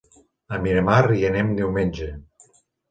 A Miramar hi anem diumenge.